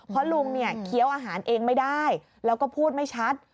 เพราะลุงเนี่ยเคี้ยวอาหารเองไม่ได้แล้วก็พูดไม่ชัด